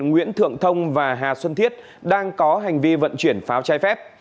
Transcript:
nguyễn thượng thông và hà xuân thiết đang có hành vi vận chuyển pháo chai phép